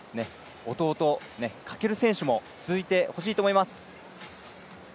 弟・翔選手も続いてほしいと思います。